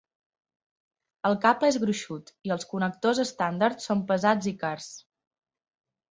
El cable és gruixut, i els connectors estàndard són pesats i cars.